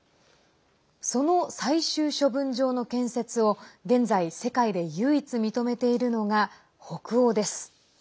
その最終処分場の建設を現在、世界で唯一認めているのが北欧です。